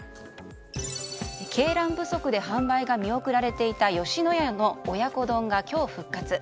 鶏卵不足で販売が見送られていた吉野家の親子丼が今日復活。